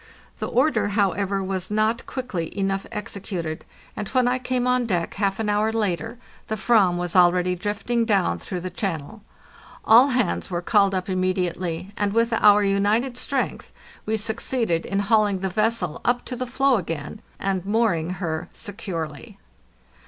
The order, how ever, was not quickly enough executed, and when I came on Il.—41 642 APPENDIX deck half an hour later the /7am was already drifting down through the channel. All hands were called up immediately, and with our united strength we succeeded in hauling the vessel up to the floe again and mooring her securely.